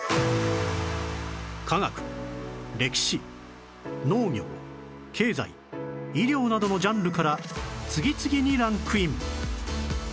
科学歴史農業経済医療などのジャンルから次々にランクイン